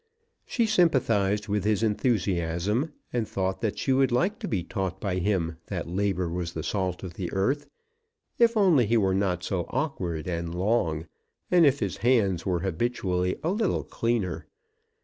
She sympathised with his enthusiasm; and thought that she should like to be taught by him that Labour was the Salt of the Earth, if only he were not so awkward and long, and if his hands were habitually a little cleaner.